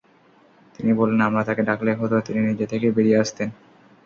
তিনি বললেন, আমরা তাঁকে ডাকলেই হতো, তিনি নিজে থেকেই বেরিয়ে আসতেন।